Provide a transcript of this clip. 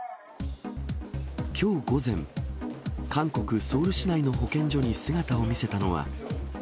きょう午前、韓国・ソウル市内の保健所に姿を見せたのは。